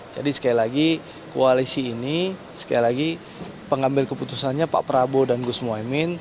jadi sekali lagi koalisi ini sekali lagi pengambil keputusannya pak prabowo dan gus mohamed